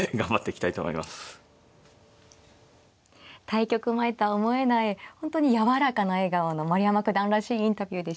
対局前とは思えない本当に柔らかな笑顔の丸山九段らしいインタビューでしたね。